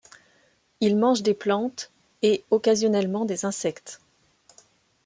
Il mange des plantes et occasionnellement des insectes.